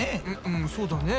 うんそうだね。